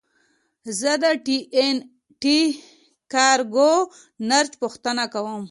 زه د ټي این ټي کارګو نرخ پوښتنه کوم.